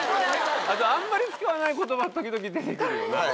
あとあんまり使わない言葉時々出てくるよな。